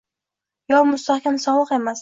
Yo mustaxkam soglik emas